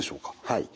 はい。